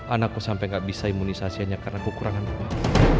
anakku sampai gak bisa imunisasiannya karena kekurangan uang